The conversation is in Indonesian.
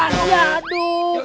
ya aduh ini orang tua gini banget